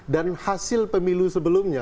dan hasil pemilu sebelumnya